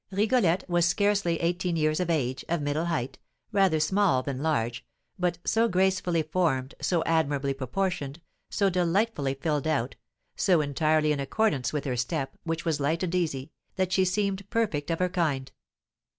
Rigolette was scarcely eighteen years of age, of middle height, rather small than large, but so gracefully formed, so admirably proportioned, so delightfully filled out, so entirely in accordance with her step, which was light and easy, that she seemed perfect of her kind.